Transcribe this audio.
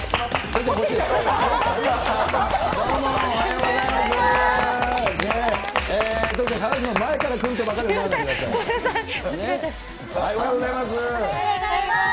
どうも、おはようございます。